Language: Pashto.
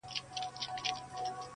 انساني احساسات زخمي کيږي سخت,